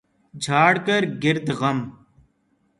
جھاڑ کر گرد غم